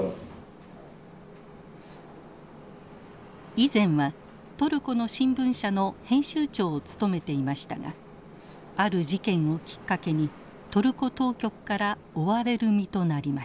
以前はトルコの新聞社の編集長を務めていましたがある事件をきっかけにトルコ当局から追われる身となりました。